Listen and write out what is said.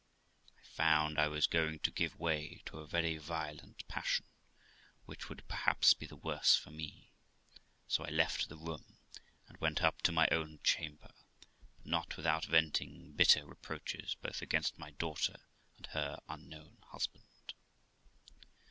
I found I was going to give way to a very violent passion, which would perhaps be the worse for me, so I left the room and went up to my own chamber, not without venting bitter reproaches both against my daughter and her unknown husband.